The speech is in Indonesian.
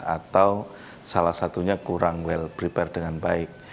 atau salah satunya kurang well prepared dengan baik